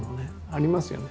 ありますよね。